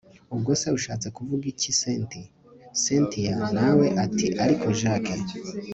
ubwo se ushatse kuvuga iki cynti!? cyntia nawe ati ariko jack